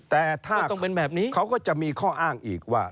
แต่ถ้าเขาก็จะมีข้ออ้างอีกว่า